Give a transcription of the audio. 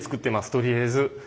とりあえず。